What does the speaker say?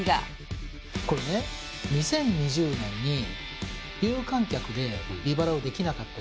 ２０２０年に有観客でビバラをできなかった。